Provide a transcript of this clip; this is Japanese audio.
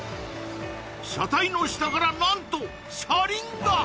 車体の下から何と車輪が！